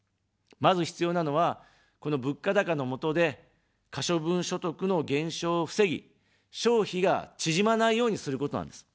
まず、必要なのは、この物価高のもとで、可処分所得の減少を防ぎ、消費が縮まないようにすることなんです。